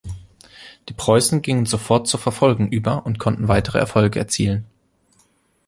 Die Preußen gingen sofort zur Verfolgung über und konnten weitere Erfolge erzielen.